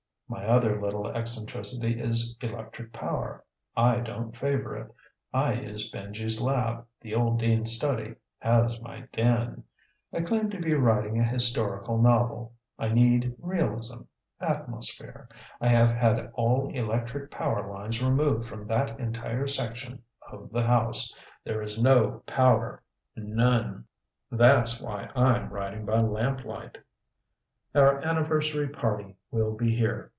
My other little eccentricity is electric power I don't favor it. I use Benji's lab, the old dean's study, as my den. I claim to be writing a historical novel. I need realism, atmosphere. I have had all electric power lines removed from that entire section of the house. There is no power. None. That's why I'm writing by lamplight. Our anniversary party will be here.